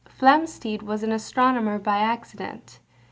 Flamsteed was an astronomer by accident.